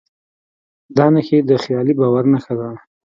دا نښې د خیالي باور نښه ده.